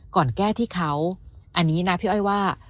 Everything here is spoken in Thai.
ก่อนแก้ที่เขาอันนี้นะพี่อ้อยว่า